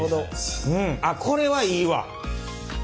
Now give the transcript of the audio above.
あっこれはいいわ！